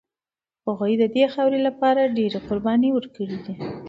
هغوی د دې خاورې لپاره ډېرې قربانۍ ورکړي دي.